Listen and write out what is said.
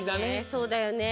そうだよね。